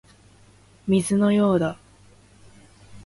水のようだ